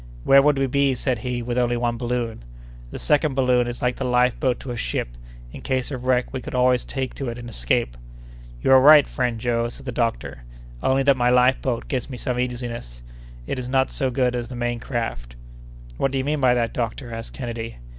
"Where would we be," said he, "with only one balloon? The second balloon is like the life boat to a ship; in case of wreck we could always take to it and escape." "You are right, friend Joe," said the doctor, "only that my life boat gives me some uneasiness. It is not so good as the main craft." "What do you mean by that, doctor?" asked Kennedy.